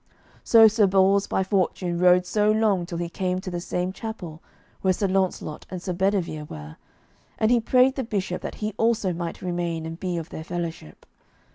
So Sir Bors by fortune rode so long till he came to the same chapel where Sir Launcelot and Sir Bedivere were, and he prayed the Bishop that he also might remain and be of their fellowship.